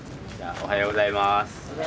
おはようございます。